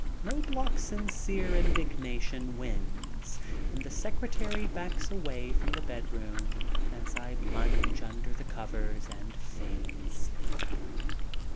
Knobloch's sincere indignation wins, and the secretary backs away from the bedroom as I plunge under the covers and feign sleep.